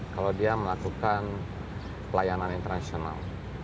kalau dia melakukan pelayanan internasional